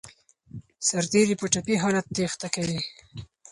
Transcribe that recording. سرتیري په ټپي حالت تېښته کوي.